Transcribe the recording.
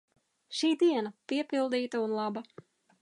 Šī diena – piepildīta un laba.